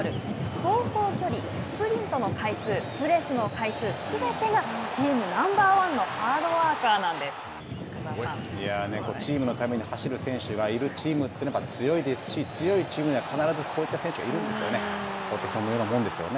走行距離、スプリントの回数プレスの回数すべてがチームナンバー１のチームのために走る選手がいるチームというのは強いですし強いチームには、こういった選手がいるんですよね。